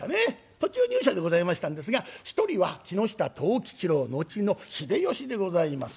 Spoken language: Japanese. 途中入社でございましたんですが一人は木下藤吉郎後の秀吉でございます。